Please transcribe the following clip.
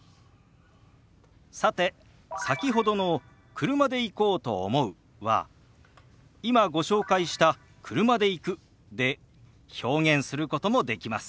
さて先ほどの「車で行こうと思う」は今ご紹介した「車で行く」で表現することもできます。